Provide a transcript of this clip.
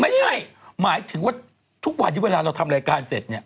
ไม่ใช่หมายถึงว่าทุกวันนี้เวลาเราทำรายการเสร็จเนี่ย